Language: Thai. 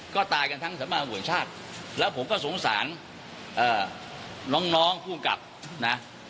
ก็ตายกันทั้งสตชค่ะแล้วผมก็สงสารน้องผู้กับนะ